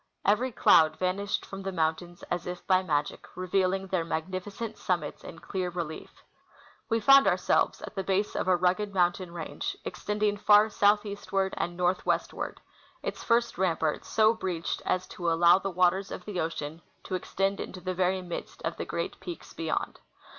Every cloud vanished from the mountains as by magic, reveal ing their magnificent summits in clear relief We found our selves at the base of a rugged mountain range extending far southeastward and northwestward, its first rampart so breached as to allow the waters of the ocean to extend into the very midst of the great peaks beyond.